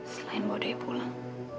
selain bawa dewi pulang